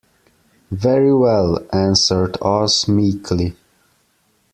"Very well," answered Oz, meekly.